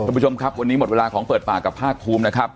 คุณผู้ชมครับวันนี้หมดเวลาของเปิดปากกับภาคภูมินะครับ